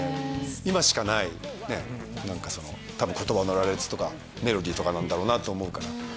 今しかない言葉の羅列とかメロディーとかだろうと思うから。